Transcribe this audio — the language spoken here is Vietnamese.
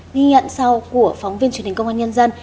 ghi nhận sau của phóng viên truyền hình công an nhân dân